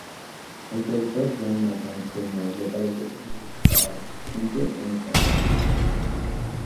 Al productor John Nathan-Turner le parecía que no destacaba lo suficiente en esta versión.